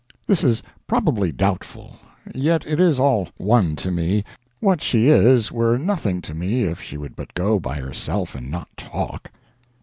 This is probably doubtful; yet it is all one to me; what she is were nothing to me if she would but go by herself and not talk.